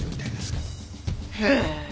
へえ。